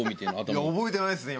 いや覚えてないですね